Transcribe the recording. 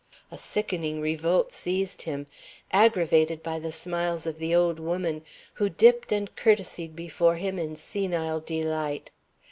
A sickening revolt seized him, aggravated by the smiles of the old woman, who dipped and courtesied before him in senile delight.